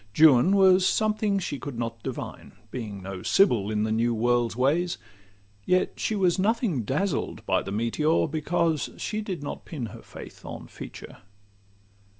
Juan was something she could not divine, Being no sibyl in the new world's ways; Yet she was nothing dazzled by the meteor, Because she did not pin her faith on feature.